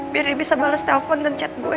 biar dia bisa balas telpon dan chat gue